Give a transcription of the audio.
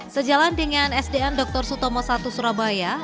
sejalan dengan sdn dr sutomo i surabaya